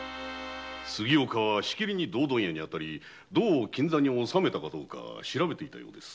杉岡は銅問屋に当たり銅を金座に納めたか調べていたようです。